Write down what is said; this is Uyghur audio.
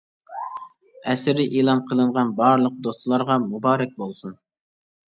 ئەسىرى ئېلان قىلىنغان بارلىق دوستلارغا مۇبارەك بولسۇن!